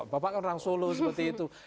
bapak kan orang solo seperti itu